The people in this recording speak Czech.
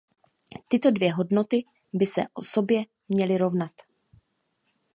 Tyto dvě hodnoty by se sobě měly rovnat.